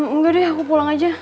enggak deh aku pulang aja